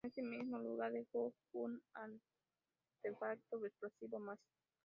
En ese mismo lugar, dejo un artefacto explosivo más.